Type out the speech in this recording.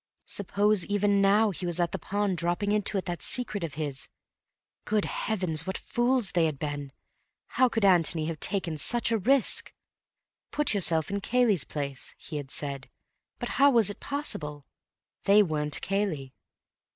Suppose, even now, he was at the pond, dropping into it that secret of his. Good heavens, what fools they had been! How could Antony have taken such a risk? Put yourself in Cayley's place, he had said. But how was it possible? They weren't Cayley.